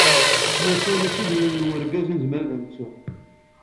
Maca mačči d yiwen n urgaz i nezmar ad nettu.